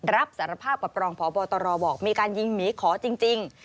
รับสารภาพกับรองพบตรบอกมีการยิงหมีขอจริง